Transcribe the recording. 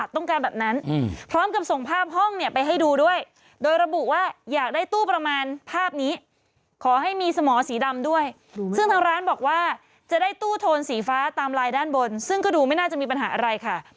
ถ้าอยากได้ตู้ประมาณภาพนี้ขอให้มีสมสีดำด้วยซึ่งทางร้านบอกว่าจะได้ตู้โทนสีฟ้าตามไลน์ด้านบนซึ่งก็ดูไม่น่าจะมีปัญหาอะไรค่ะ